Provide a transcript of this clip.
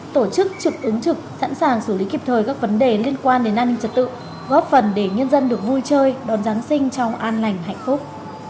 tổ chức trực ứng trực sẵn sàng xử lý kịp thời các vấn đề liên quan đến an ninh trật tự góp phần để nhân dân được vui chơi đón giáng sinh trong an lành hạnh phúc